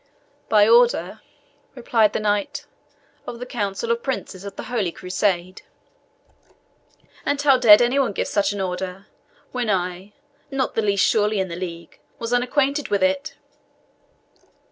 "By order," replied the knight, "of the Council of Princes of the Holy Crusade." "And how dared any one to give such an order, when I not the least, surely, in the league was unacquainted with it?"